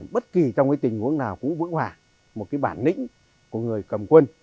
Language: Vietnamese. bất kỳ trong cái tình huống nào cũng vững hòa một cái bản lĩnh của người cầm quân